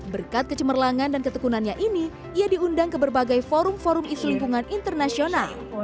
berkat kecemerlangan dan ketekunannya ini ia diundang ke berbagai forum forum isu lingkungan internasional